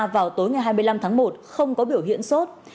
vào tối ngày hai mươi năm tháng một không có biểu hiện sốt